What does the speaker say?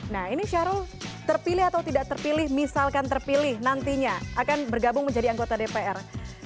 nah ini syahrul terpilih atau tidak terpilih misalkan terpilih nantinya akan bergabung menjadi anggota dpr